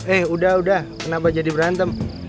eh udah udah kenapa jadi berantem